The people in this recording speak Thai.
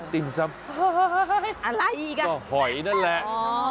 ติมซัมหอยก็หอยนั่นแหละ